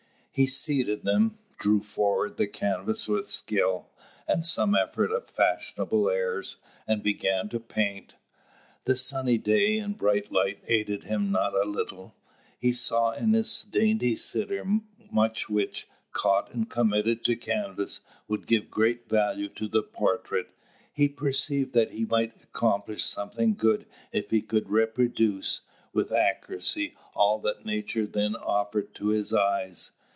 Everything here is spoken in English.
He seated them, drew forward the canvas with skill, and some efforts of fashionable airs, and began to paint. The sunny day and bright light aided him not a little: he saw in his dainty sitter much which, caught and committed to canvas, would give great value to the portrait. He perceived that he might accomplish something good if he could reproduce, with accuracy, all that nature then offered to his eyes.